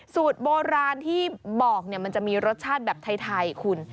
สูตรโบราณที่บอกมันจะมีรสชาติแบบไทยคุณ